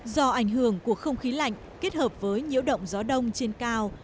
do ảnh hưởng của không khí lạnh kết hợp với nhiễu động gió đông trên cao